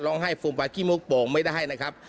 ร้องไห้ฟูมปะกิ้มโป่งไม่ได้นะครับ